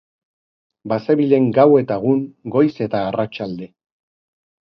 Bazebilen gau eta egun, goiz eta arratsalde.